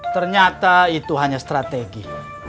ternyata itu hanya strategi